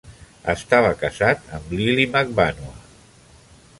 Estava casat amb Lily Magbanua.